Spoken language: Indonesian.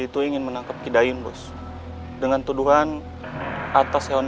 terima kasih pak